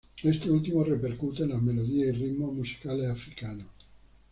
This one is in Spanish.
Esto último repercute en las melodías y ritmos musicales africanos.